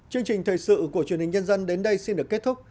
chương trình thời sự của truyền hình nhân dân đến đây xin được kết thúc